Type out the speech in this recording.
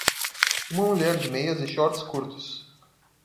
Uma mulher de meias e shorts curtos.